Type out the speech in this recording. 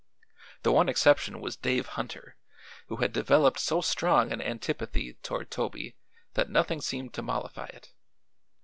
The one exception was Dave Hunter, who had developed so strong an antipathy toward Toby that nothing seemed to mollify it.